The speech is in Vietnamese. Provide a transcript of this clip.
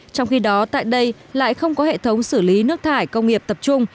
trong khi đó tại đây lại không có hệ thống xử lý nước thải công nghiệp tập trung